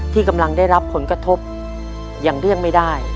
ที่กำลังได้รับผลกระทบอย่างเลี่ยงไม่ได้